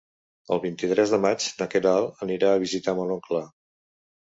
El vint-i-tres de maig na Queralt anirà a visitar mon oncle.